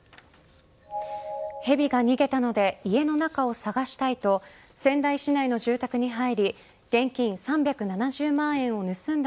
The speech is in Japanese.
蛇が逃げたので家の中を捜したいと仙台市内の住宅に入り現金３７０万円を盗んだ